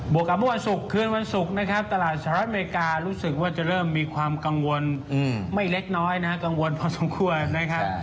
กับเมื่อวันศุกร์คืนวันศุกร์นะครับตลาดสหรัฐอเมริการู้สึกว่าจะเริ่มมีความกังวลไม่เล็กน้อยนะฮะกังวลพอสมควรนะครับ